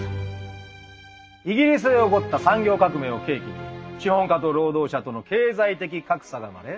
イギリスで起こった産業革命を契機に資本家と労働者との経済的格差が生まれ